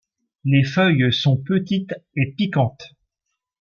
Les feuilles sont petites et piquantes.